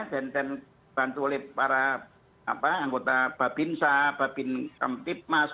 dan dibantu oleh para anggota babinsa babin kempitmas